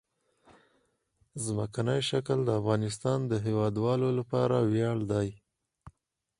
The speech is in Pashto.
ځمکنی شکل د افغانستان د هیوادوالو لپاره ویاړ دی.